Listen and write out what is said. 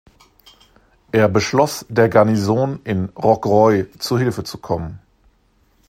Er beschloss der Garnison in Rocroi zu Hilfe zu kommen.